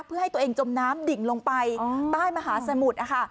เพื่อให้ตัวเองจมน้ำดิ่งลงไปใต้มหาสมุทรนะคะ